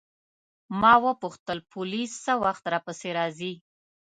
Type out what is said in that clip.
ما وپوښتل پولیس څه وخت راپسې راځي.